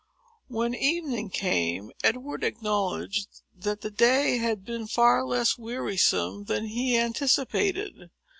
When evening came, Edward acknowledged that the day had been far less wearisome than he anticipated.